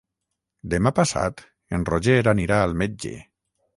Demà passat en Roger anirà al metge.